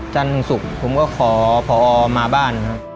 จันทร์ถึงศุกร์ผมก็ขอพอมาบ้านครับ